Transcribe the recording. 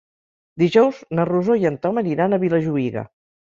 Dijous na Rosó i en Tom aniran a Vilajuïga.